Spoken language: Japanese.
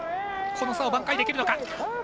この差を挽回できるのか。